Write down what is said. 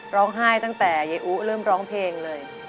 ร้องไห้ตั้งแต่เย้ออุเริ่มร้องเพลงเลย